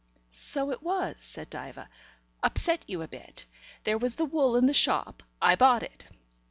"So it was," said Diva. "Upset you a bit. There was the wool in the shop. I bought it."